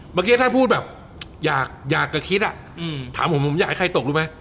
เมื่อกี้ถ้าพูดแบบอยากจะคิดอ่ะถามผมผมอยากให้ใครตกรู้ไหม